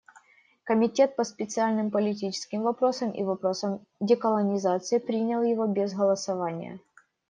Комитет по специальным политическим вопросам и вопросам деколонизации принял его без голосования.